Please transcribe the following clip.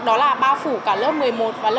đó là bao phủ cả lớp một mươi một và lớp một mươi hai